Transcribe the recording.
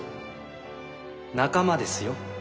仲間ですよ。